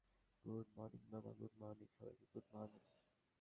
Good morning, বাবা, good morning, সবাইকে - good morning.